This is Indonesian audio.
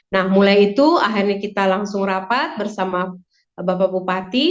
nah mulai itu akhirnya kita langsung rapat bersama bapak bupati